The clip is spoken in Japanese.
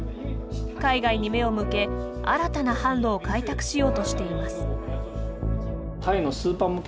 海外に目を向け新たな販路を開拓しようとしています。